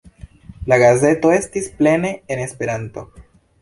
La gazeto estis plene en Esperanto.